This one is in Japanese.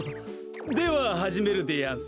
でははじめるでやんす。